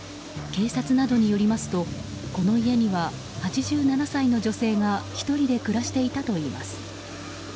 警察などによりますとこの家には８７歳の女性が１人で暮らしていたといいます。